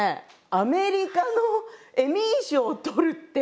アメリカのエミー賞をとるって。